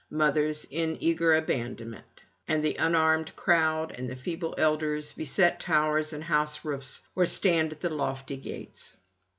Mothers in eager abandonment, and the unarmed crowd and feeble elders beset towers and house roofs, or stand at the lofty gates.